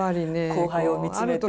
後輩を見つめて。